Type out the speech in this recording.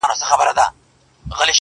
زه پوهېدم تاته مي نه ویله -